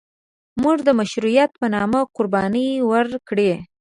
موږ د مشروطیت په نامه قرباني ورکړې.